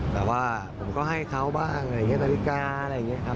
แต่ว่าผมก็ให้เขาบ้างอะไรอย่างนี้นาฬิกาอะไรอย่างนี้ครับ